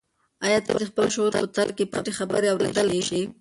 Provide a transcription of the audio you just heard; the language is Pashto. آیا ته د خپل شعور په تل کې پټې خبرې اورېدلی شې؟